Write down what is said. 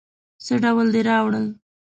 څه دې راوړل؟